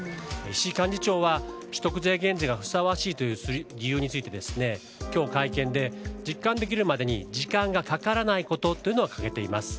幹事長は所得税減税がふさわしいという発言で今日、会見で実感ができるまでに時間がかからないことを掲げています。